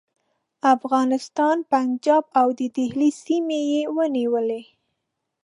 افغانستان، پنجاب او د دهلي سیمې یې ونیولې.